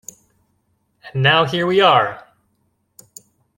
And now here we are!